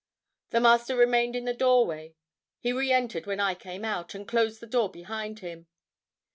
"The Master remained in the doorway; he reentered when I came out, and closed the door behind him....